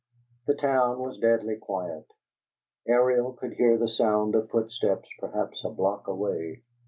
The town was deadly quiet: Ariel could hear the sound of footsteps perhaps a block away.